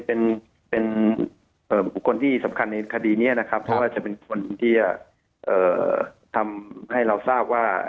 เป็นบุคคลที่สำคัญในคดีนี้นะครับเพราะว่าจะเป็นคนที่จะทำให้เราทราบว่า